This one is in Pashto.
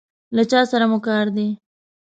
له چا سره مو کار دی؟